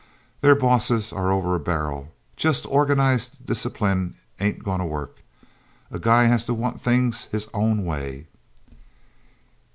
Their bosses are over a barrel. Just organized discipline ain't gonna work. A guy has to want things his own way..."